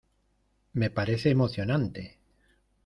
me parece emocionante